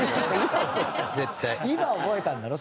今覚えたんだろ？